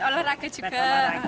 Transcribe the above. buat olahraga juga